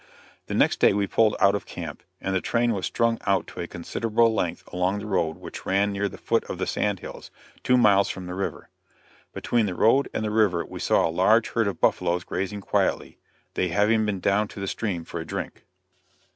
The next day we pulled out of camp, and the train was strung out to a considerable length along the road which ran near the foot of the sand hills, two miles from the river. Between the road and the river we saw a large herd of buffaloes grazing quietly, they having been down to the stream for a drink.